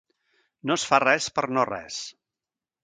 No es fa res per no res.